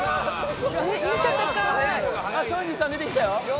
松陰寺さん出てきたよ。